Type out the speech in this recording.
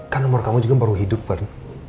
kan umur kamu juga baru hidup kan